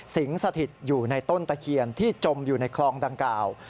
สถิตอยู่ในต้นตะเคียนที่จมอยู่ในคลองดังกล่าว